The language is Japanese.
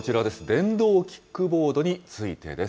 電動キックボードについてです。